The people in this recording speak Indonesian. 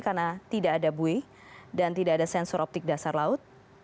karena tidak ada buih dan tidak ada sensor optik dasar laut